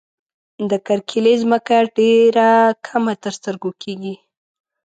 د کرکيلې ځمکه یې ډېره کمه تر سترګو کيږي.